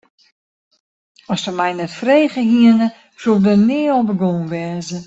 As se my net frege hiene, soe ik der nea oan begûn wêze.